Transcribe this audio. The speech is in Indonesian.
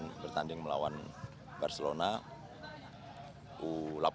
yang bertanding melawan barcelona u delapan belas